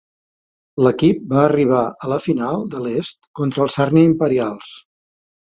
L'equip va arribar a la final de l'est contra els Sarnia Imperials.